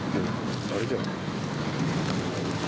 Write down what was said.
あれじゃん。